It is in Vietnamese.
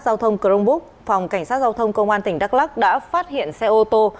giao thông crongbúc phòng cảnh sát giao thông công an tỉnh đắk lắc đã phát hiện xe ô tô